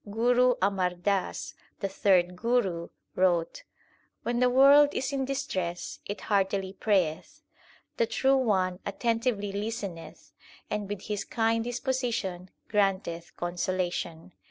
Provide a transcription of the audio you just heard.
Guru Amar Das, the third Guru, wrote : When the world is in distress, it heartily prayeth. The True One attentively listeneth and with His kind disposition grant eth consolation.